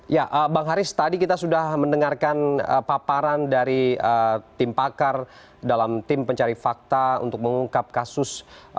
ya bang haris tadi kita sudah mendengarkan paparan dari tim pakar dalam tim pencari fakta untuk mengungkap kasus